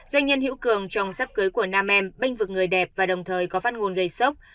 doanh nhân hữu cường trồng sắp cưới của nam em bênh vực người đẹp và đồng thời có phát ngôn gây sốc